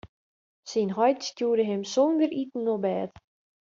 Syn heit stjoerde him sûnder iten op bêd.